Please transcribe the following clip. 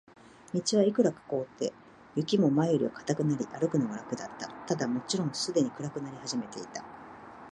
道はいくらか凍って、雪も前よりは固くなり、歩くのが楽だった。ただ、もちろんすでに暗くなり始めていた。